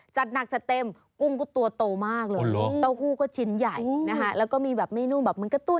จัดหนักจัดเต็มกุ้งก็ตัวโตมากเลยเต้าหู้ก็ชิ้นใหญ่นะคะแล้วก็มีแบบไม่นุ่มแบบมันกระตุ้น